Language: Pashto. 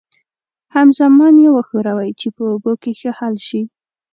همزمان یې وښورئ چې په اوبو کې ښه حل شي.